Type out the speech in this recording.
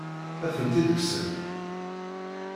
Ad tent-id-kksen?